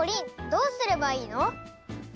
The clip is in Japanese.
どうすればいいの？